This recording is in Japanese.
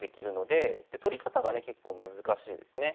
で取り方がね結構難しいですね。